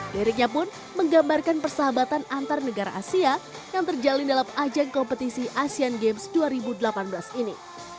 liriknya pun menggambarkan persahabatan antar negara asia yang terjalin dalam ajang kompetisi asean games dua ribu delapan belas ini